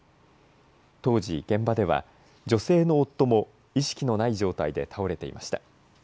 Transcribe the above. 当時、現場では女性の夫も意識のない状態で倒れていました。